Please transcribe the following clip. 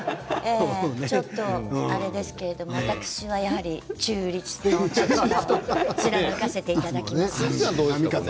ちょっとあれですけど私はやはり中立の立場を貫かせていただきます。